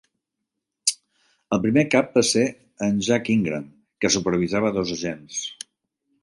El primer cap va ser en Jack Ingram, que supervisava dos agents.